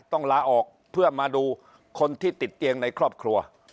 ต้องลาออกเพื่อมาดูคนที่ติดเตียงในครอบครัว